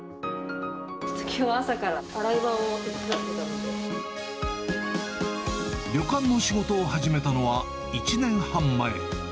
きょうは朝から洗い場を手伝旅館の仕事を始めたのは１年半前。